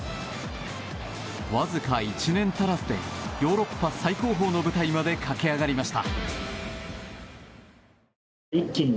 わずか１年足らずでヨーロッパ最高峰の舞台まで駆け上がりました。